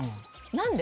何で？